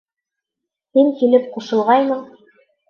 Һин килеп ҡушылғайның...